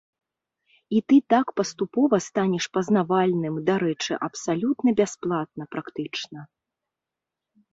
І ты так паступова станеш пазнавальным, дарэчы, абсалютна бясплатна практычна.